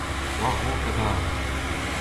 War-raok adarre.